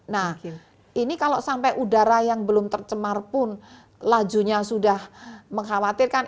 nah ini kalau sampai udara yang belum tercemar pun lajunya sudah mengkhawatirkan